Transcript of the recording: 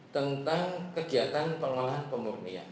tentang kegiatan pengolahan pemurnian